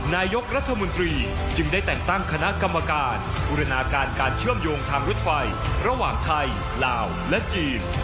นายกรัฐมนตรีจึงได้แต่งตั้งคณะกรรมการบูรณาการการเชื่อมโยงทางรถไฟระหว่างไทยลาวและจีน